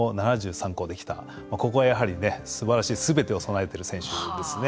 ここがやはりすばらしいすべてを備えている選手ですね。